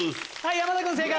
山田君正解！